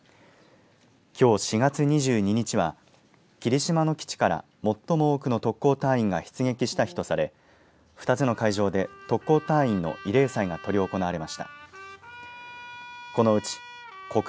きょう、４月２２日は霧島の基地から最も多くの特攻隊員が出撃した日とされ２つの会場で特攻隊員の慰霊祭が執り行われました。